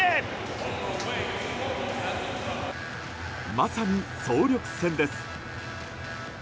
まさに総力戦です。